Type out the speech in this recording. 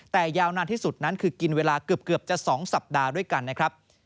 แต่ยาวนานที่สุดนั้นคือกินเวลาเกือบจะ๒สัปดาห์ด้วยกันนะครับ